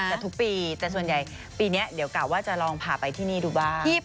แต่ทุกปีแต่ส่วนใหญ่ปีนี้เดี๋ยวกะว่าจะลองพาไปที่นี่ดูบ้าง